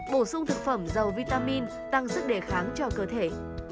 bổ sung thực phẩm dầu vitamin tăng sức đề kháng cho cơ thể